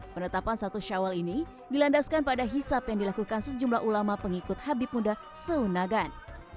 penetapan satu syawal ini dilandaskan pada hisap yang dilakukan sejumlah ulama pengikut habib muda seunagan